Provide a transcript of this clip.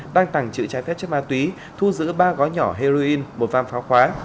đang tặng chữ trái phép chất ma túy thu giữ ba gói nhỏ heroin một vam phá khóa